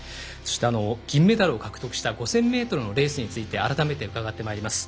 銀メダルを獲得した５０００ｍのレースについて改めて伺ってまいります。